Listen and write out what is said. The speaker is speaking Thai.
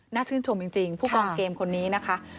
ชื่นชมจริงผู้กองเกมคนนี้นะคะ